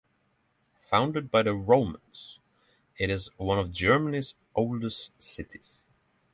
Founded by the Romans, it is one of Germany's oldest cities.